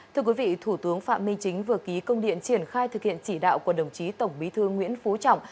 thưa quý vị thủ tướng phạm minh chính vừa ký công điện triển khai thực hiện chỉ đạo của đồng chí tổng bí thư nguyễn phú trọng